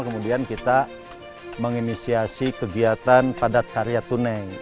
kemudian kita menginisiasi kegiatan padat karya tunai